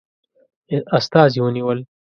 استازي ونیول.